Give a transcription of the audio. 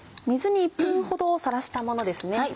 水に１分ほどさらしたものですね。